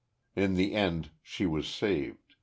In the end she was saved.